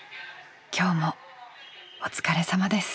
今日もお疲れさまです。